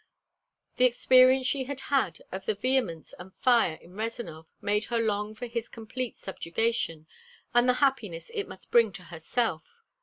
The experience she had had of the vehemence and fire in Rezanov made her long for his complete subjugation and the happiness it must bring to herself.